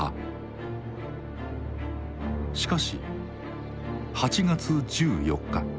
しかし８月１４日。